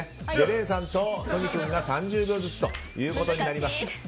礼さんと都仁君が３０秒ずつということになります。